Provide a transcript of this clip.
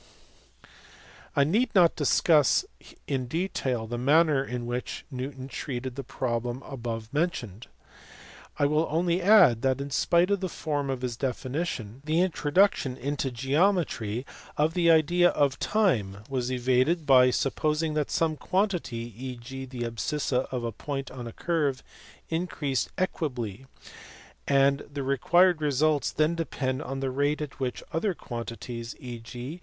I need not discuss in detail the manner in which Newton treated the problems above mentioned. I will only add that, in spite of the form of his definition, the introduction into * Colson s edition of Newton s manuscript, p. 24. 352 THE LIFE AND WORKS OF NEWTON. geometry of the idea of time was evaded by supposing that some quantity (e.g. the abscissa of a point on a curve) increased equably; and the required results then depend on the rate at which other quantities (e.g.